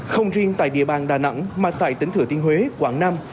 không riêng tại địa bàn đà nẵng mà tại tỉnh thừa thiên huế quảng nam